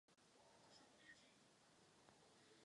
Eurozóna se připojila poté.